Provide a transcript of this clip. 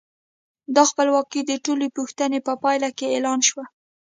دا خپلواکي د ټول پوښتنې په پایله کې اعلان شوه.